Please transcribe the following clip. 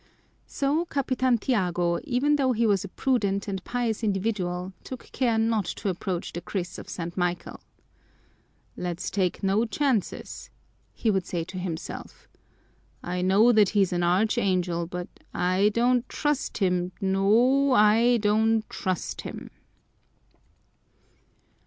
So Capitan Tiago, even though he was a prudent and pious individual, took care not to approach the kris of St. Michael. "Let's take no chances," he would say to himself, "I know that he's an archangel, but I don't trust him, no, I don't trust him."